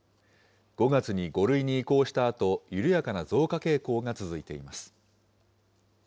５月に５類に移行したあと、緩やかな増加傾向が続いています。